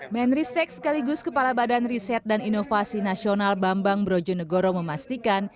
menristek sekaligus kepala badan riset dan inovasi nasional bambang brojonegoro memastikan